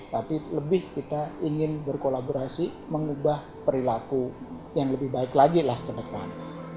tapi lebih kita ingin berkolaborasi mengubah perilaku yang lebih baik lagi lah ke depan